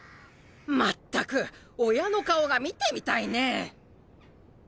まったく親の顔が見てみたいね。